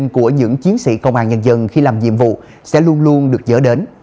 của những chiến sĩ công an nhân dân khi làm nhiệm vụ sẽ luôn luôn được dỡ đến